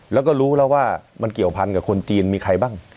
แล้วก็รู้แล้วว่ามันเกี่ยวพันกับคนจีนมีใครบ้าง